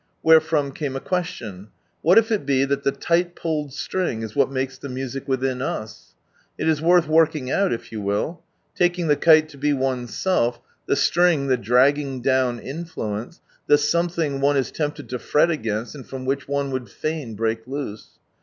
Wherefrom came a question, — what if it be that the light pulled siring is what makes the music wiihin us? It is worth working out. if you will. Taking the kite to be oneself, the string the "dragging down " influence, fAe soi/u/Aing one is tempted to fret against and from which one would fain break loose.